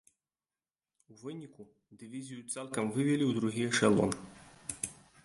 У выніку, дывізію цалкам вывелі ў другі эшалон.